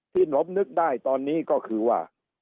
หนมนึกได้ตอนนี้ก็คือว่า